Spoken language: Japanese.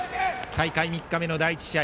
大会３日目の第１試合。